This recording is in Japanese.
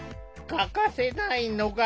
欠かせないのが。